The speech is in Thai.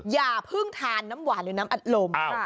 อย่าเพิ่งทานน้ำหวานหรือน้ำอัดลม